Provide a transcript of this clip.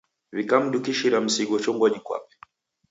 W'ikamdukishira msigo chongonyi kwape.